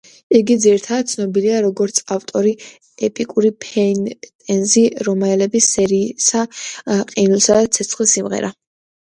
იგი ძირითადად ცნობილია, როგორც ავტორი ეპიკური ფენტეზი რომანების სერიისა „ყინულისა და ცეცხლის სიმღერა“.